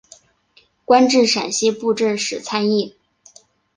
官至陕西布政使参议。